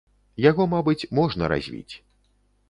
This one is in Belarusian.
Яго, мабыць, можна развіць.